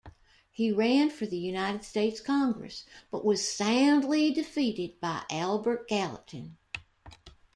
He ran for the United States Congress, but was soundly defeated by Albert Gallatin.